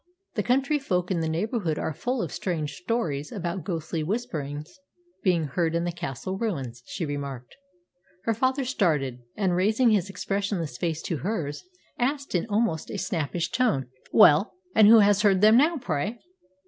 "The country folk in the neighbourhood are full of strange stories about ghostly whisperings being heard in the castle ruins," she remarked. Her father started, and raising his expressionless face to hers, asked in almost a snappish tone, "Well, and who has heard them now, pray?"